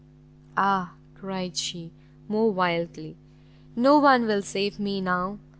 "Ah," cried she, more wildly, "no one will save me now!